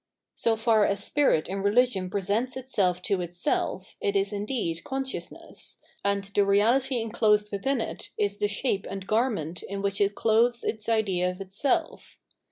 So far as spirit in religion presents itself to itself, it is indeed consciousness, and the reality enclosed within it is the shape and garment in which it clothes its idea of itself.